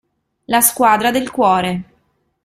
La squadra del cuore